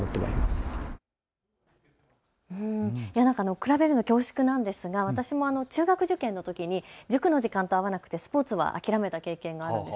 比べるの恐縮なんですが私も中学受験のときに塾の時間と合わなくてスポーツは諦めた経験があるんです。